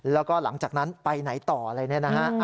แล้วก็หลังจากนั้นไปไหนต่อเลยนะ